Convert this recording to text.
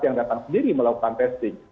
yang datang sendiri melakukan testing